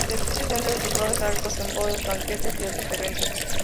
Se utilizan centros de flores, arcos en bodas, banquetes y otros eventos.